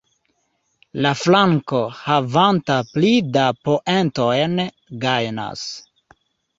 La flanko, havanta pli da poentojn, gajnas.